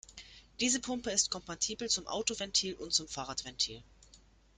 Diese Pumpe ist kompatibel zum Autoventil und zum Fahrradventil.